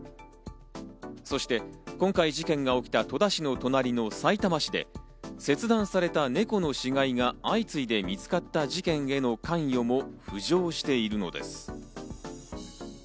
そして今回事件が起きた戸田市の隣のさいたま市で切断された猫の死骸が相次いで見つかった事件への関与も浮上しているのです。